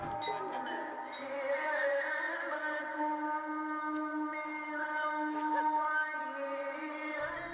satu anak cerdas